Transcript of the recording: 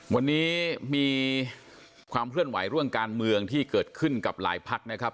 วันนี้มีความเคลื่อนไหวเรื่องการเมืองที่เกิดขึ้นกับหลายพักนะครับ